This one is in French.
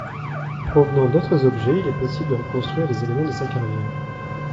Provenant d'autres objets, il est possible de reconstruire des éléments de sa carrière.